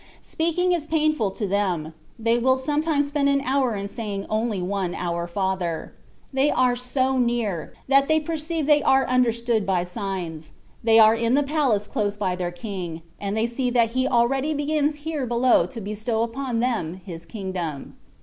Spealung is painful to them : they will sometimes spend an hour in say ing only one ^^ Our Father/^ They are so near, that they perceive they are understood by^ signs; they are in the palace close by their King, and they see that He already begins here below to bestow upon them His kingdom.